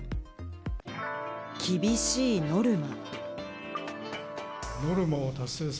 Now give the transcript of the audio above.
厳しいノルマ。